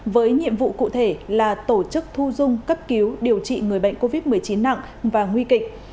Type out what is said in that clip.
với nhiệm vụ cụ thể là tổ chức thu dung cấp cứu điều trị người bệnh covid một mươi chín nặng và nguy kịch